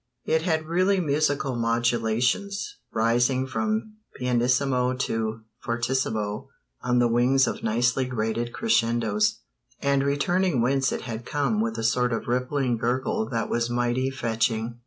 It had really musical modulations, rising from pianissimo to fortissimo on the wings of nicely graded crescendos, and returning whence it had come with a sort of rippling gurgle that was mighty fetching.